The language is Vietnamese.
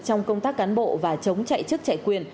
trong công tác cán bộ và chống chạy chức chạy quyền